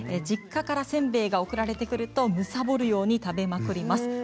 実家からせんべいが送られてくると、むさぼるように食べます。